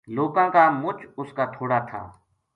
لوکاں کا مُچ اس کا تھوڑا تھا